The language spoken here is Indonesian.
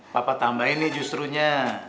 papa tambahin nih justru nya